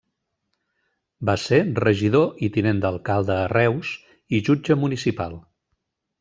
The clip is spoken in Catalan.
Va ser regidor i tinent d'alcalde a Reus, i jutge municipal.